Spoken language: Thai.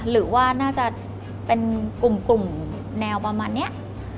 หรือว่าน่าจะเป็นกลุ่มแนวประมาณนี้